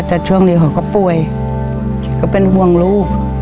แต่ช่วงนี้เขาก็ป่วยก็เป็นห่วงลูก